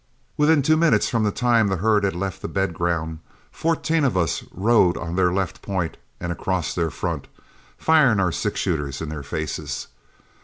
Within two minutes from the time the herd left the bed ground, fourteen of us rode on their left point and across their front, firing our six shooters in their faces.